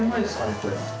これ。